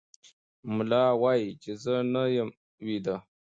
ملا وایي چې زه نه یم ویده.